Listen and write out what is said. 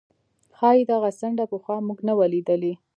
ښايي دغه څنډه پخوا موږ نه وه لیدلې.